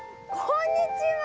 こんにちは。